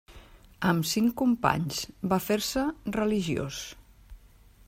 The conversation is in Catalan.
Amb cinc companys, va fer-se religiós.